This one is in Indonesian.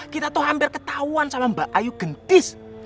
kita tuh hampir ketahuan sama mbak ayu gentis